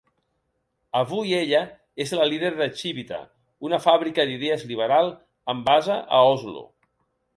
Avui ella és la líder de Civita, una fàbrica d'idees liberal amb base a Oslo.